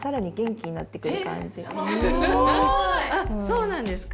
あっそうなんですか？